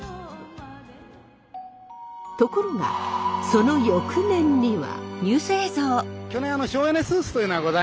ところがその翌年には。